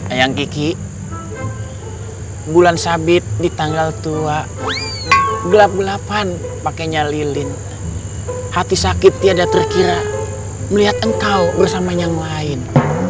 ayang kiki bulan sabit di tanggal tua gelap gelapan pakainya lilin hati sakit tiada terkira melihat engkau bersama yang lain